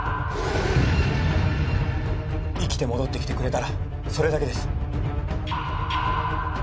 生きて戻ってきてくれたらそれだけです。